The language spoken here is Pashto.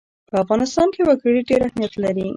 په افغانستان کې وګړي ډېر اهمیت لري.